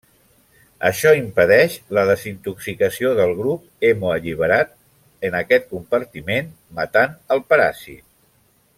Això impedeix la desintoxicació del grup hemo alliberat en aquest compartiment, matant el paràsit.